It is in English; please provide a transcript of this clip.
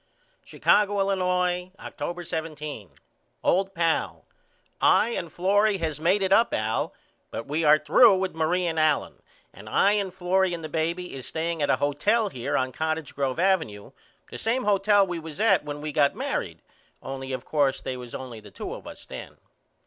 Chicago, Illinois, October 17. OLD PAL: I and Florrie has made it up Al but we are threw with Marie and Allen and I and Florrie and the baby is staying at a hotel here on Cottage Grove Avenue the same hotel we was at when we got married only of coarse they was only the 2 of us then.